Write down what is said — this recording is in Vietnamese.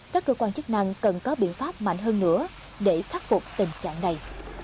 các cơ quan chức năng cần có biện pháp mạnh hơn nữa để khắc phục tình trạng này